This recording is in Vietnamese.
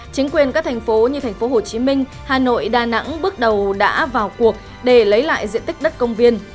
chính quyền các thành phố như thành phố hồ chí minh hà nội đà nẵng bước đầu đã vào cuộc để lấy lại diện tích đất công viên